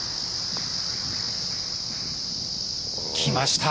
きました。